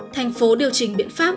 thành phố điều chỉnh biện pháp